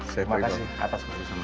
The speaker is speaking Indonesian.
terima kasih atas kerja sama saya